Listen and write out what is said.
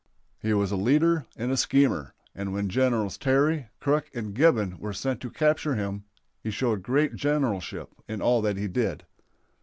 He was a leader and schemer, and when Generals Terry, Crook, and Gibbon were sent to capture him he showed great generalship in all that he did.